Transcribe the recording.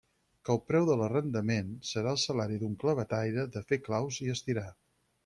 Que el preu de l'arrendament, serà el salari d'un clavetaire de fer claus i estirar.